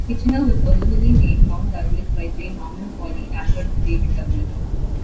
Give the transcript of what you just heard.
Kitchener was originally named Mount Douglas by J. Norman Collie after David Douglas.